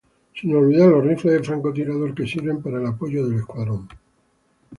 Sin olvidar los rifles de francotirador que sirven para el apoyo del escuadrón.